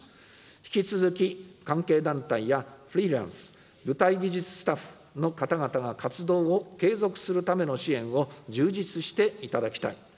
引き続き関係団体やフリーランス、舞台技術スタッフの方々が活動を継続するための支援を充実していただきたい。